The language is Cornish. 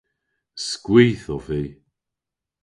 Skwith ov vy.